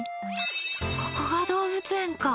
ここが動物園か！